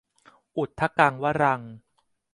อุทะกังวะรัง